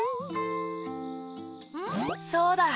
そうだ！